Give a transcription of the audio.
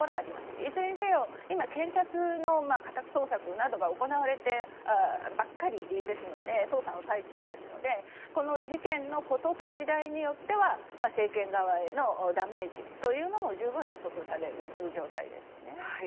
いずれにしても今、検察の家宅捜索などが行われてばかりですので捜査の最中ですのでこの事件の事と次第によっては政権側へのダメージというのも十分予測される状態ですね。